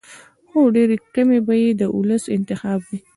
خو ډېرې کمې به یې د ولس انتخاب وي.